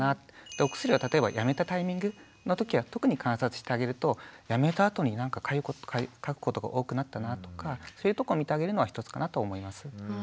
お薬を例えばやめたタイミングの時は特に観察してあげるとやめたあとになんかかくことが多くなったなとかそういうとこ見てあげるのは一つかなと思います。